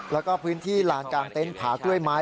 แล้วก็พื้นที่ลานกลางเต็นต์ผากล้วยไม้